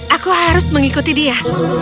aku harus mengikuti dia